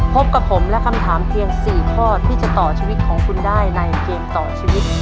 พบกับผมและคำถามเพียง๔ข้อที่จะต่อชีวิตของคุณได้ในเกมต่อชีวิต